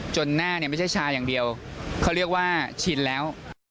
หน้าเนี่ยไม่ใช่ชาอย่างเดียวเขาเรียกว่าชินแล้ว